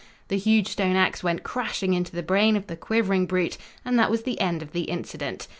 The huge stone ax went crashing into the brain of the quivering brute, and that was the end of the incident.